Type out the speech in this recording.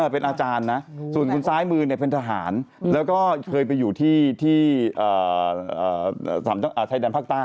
เป็นอาจารย์นะส่วนคุณซ้ายมือเป็นทหารแล้วก็เคยไปอยู่ที่ชายแดนภาคใต้